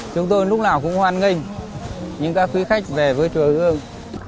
chúng tôi lúc nào cũng hoan nghênh những các khuyến khách về với chùa hương